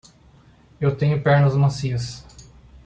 Eu tenho pernas macias.